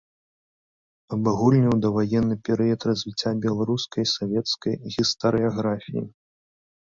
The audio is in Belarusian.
Абагульніў даваенны перыяд развіцця беларускай савецкай гістарыяграфіі.